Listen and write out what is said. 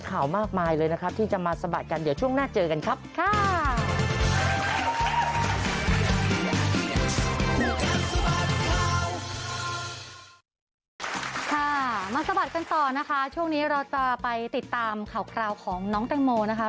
มาสะบัดกันต่อนะคะช่วงนี้เราจะไปติดตามข่าวคราวของน้องแตงโมนะคะ